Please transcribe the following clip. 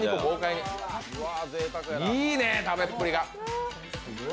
いいね、食べっぷりが。